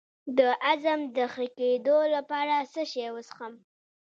د هضم د ښه کیدو لپاره څه شی وڅښم؟